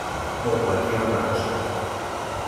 o cualquier otra cosa.